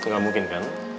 gak mungkin kan reva maut dia